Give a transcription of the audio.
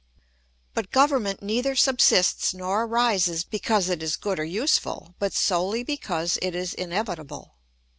But government neither subsists nor arises because it is good or useful, but solely because it is inevitable.